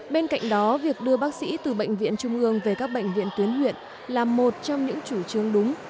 bên cạnh đó việc đưa bác sĩ từ bệnh viện trung ương về các bệnh viện tuyến huyện là một trong những chủ trương đúng